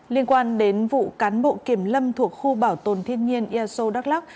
liên quan đến vụ cán bộ kiểm lâm thuộc khu bảo tồn thiên nhiên eso đắk lắc